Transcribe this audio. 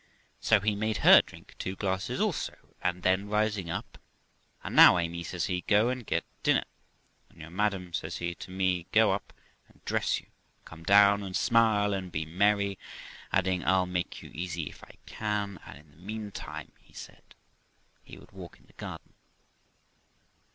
So he made her drink two glasses also ; and then rising up, 'And now, Amy', says he, 'go and get dinner; and you, madam', says he to me, 'go up and dress you, and come down and smile and be merry'; adding, 'I'll make you easy if I can'; and in the meantime, he said, he would walk in the garden.